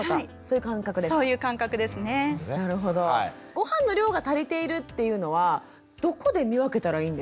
ごはんの量が足りているっていうのはどこで見分けたらいいんですか？